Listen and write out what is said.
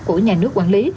của nhà nước quản lý